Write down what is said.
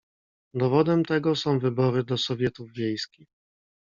"Dowodem tego są wybory do sowietów wiejskich."